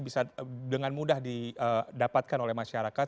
bisa dengan mudah didapatkan oleh masyarakat